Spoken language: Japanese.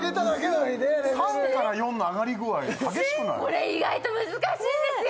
これ意外と難しいんですよ。